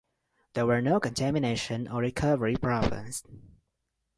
There were no contamination or recovery problems.